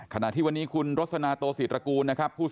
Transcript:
ขณะที่วันนี้คุณรสนาโตศิรกูลนะครับ